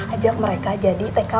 ajak mereka ke cibogo